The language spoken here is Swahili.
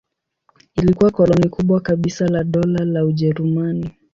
Ilikuwa koloni kubwa kabisa la Dola la Ujerumani.